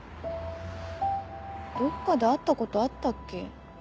どっかで会ったことあったっけ？